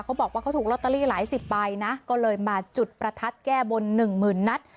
เขาบอกว่าเขาถูกลอตเตอรี่หลายสิบใบนะก็เลยมาจุดประทัดแก้บนหนึ่งหมื่นนัด